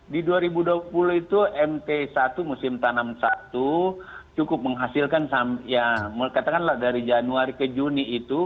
di dua ribu dua puluh itu mt satu musim tanam satu cukup menghasilkan ya katakanlah dari januari ke juni itu